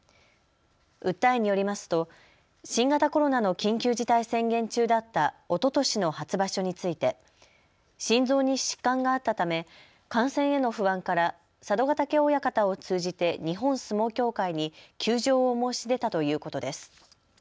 訴えによりますと新型コロナの緊急事態宣言中だったおととしの初場所について心臓に疾患があったため感染への不安から佐渡ヶ嶽親方を通じて日本相撲協会に休場を申し出たということです。